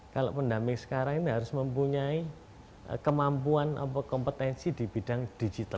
kalau pendamping sekarang ini harus mempunyai kemampuan kompetensi di bidang digital